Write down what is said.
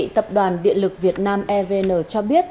tập đoàn điện lực việt nam evn cho biết